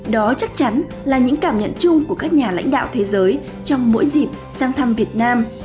đó chắc chắn là những cảm nhận chung của các nhà lãnh đạo thế giới trong mỗi dịp sang thăm việt nam